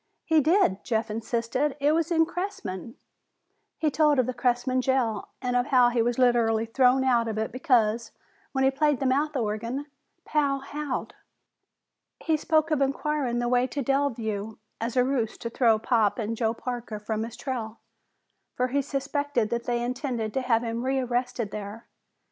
"He did," Jeff insisted. "It was in Cressman " He told of the Cressman jail and of how he was literally thrown out of it because, when he played the mouth organ, Pal howled. He spoke of inquiring the way to Delview as a ruse to throw Pop and Joe Parker from his trail, for he suspected that they had intended to have him rearrested there.